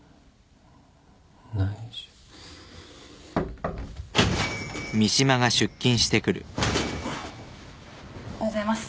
内緒・・おはようございます。